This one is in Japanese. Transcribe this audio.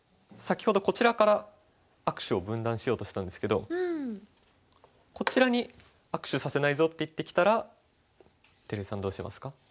先ほどこちらから握手を分断しようとしたんですけどこちらに「握手させないぞ」って言ってきたら照井さんどうしますか？